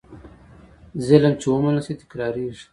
ظلم چې ومنل شي، تکرارېږي.